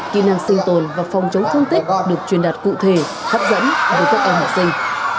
kỹ năng sinh tồn và phòng chống thương tích được truyền đạt cụ thể hấp dẫn với các em học sinh